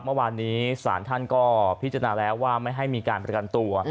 เมื่อวานนี้ศาลท่านก็พิจารณาแล้วว่าไม่ให้มีการประกันตัว